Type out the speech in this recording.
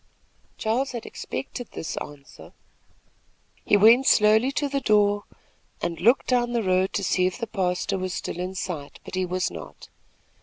Charles had expected this answer. He went slowly to the door and looked down the road to see if the pastor was still in sight; but he was not.